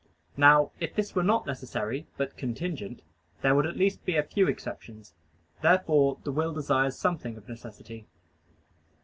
Now if this were not necessary, but contingent, there would at least be a few exceptions. Therefore the will desires something of necessity.